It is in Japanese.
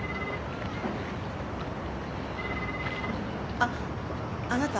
あっあなた？